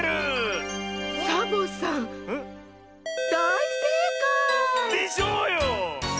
サボさんだいせいかい！でしょうよ！